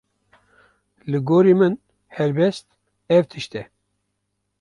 Li gorî min helbest ew tişt e